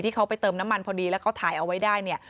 เขาไปเติมน้ำมันพอดีแล้วเขาถ่ายเอาไว้ได้เนี่ย